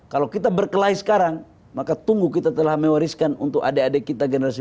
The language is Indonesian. kalau kita berkelahi sekarang maka tunggu kita telah mewariskan untuk adik adik kita generasi